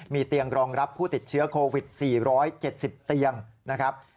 มีเตียงรองรับผู้ติดเชื้อโควิด๔๗๐เตียงนะครับ